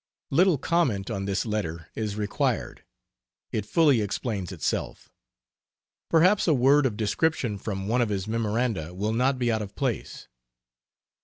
Little comment on this letter is required; it fully explains itself. Perhaps a word of description from one of his memoranda will not be out of place.